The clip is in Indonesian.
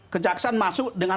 kejaksaan masuk dengan